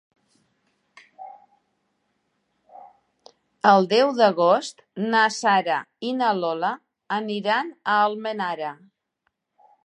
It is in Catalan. El deu d'agost na Sara i na Lola aniran a Almenara.